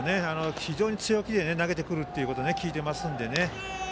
非常に強気で投げてくると聞いていますのでね。